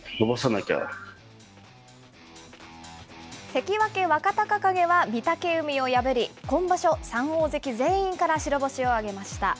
関脇・若隆景は、御嶽海を破り、今場所３大関全員から白星を挙げました。